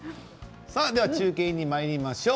中継にまいりましょう。